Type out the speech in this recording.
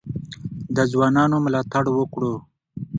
د ځوانانو ملاتړ وکړو.